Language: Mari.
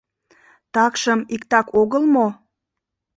Такшым иктак огыл мо?